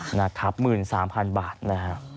ค่ะนะครับ๑๓๐๐๐บาทนะครับ